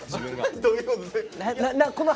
どういうこと？